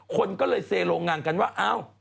คนก็เลยเซโรงงานกันว่าเอ้า